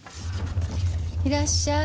いらっしゃい。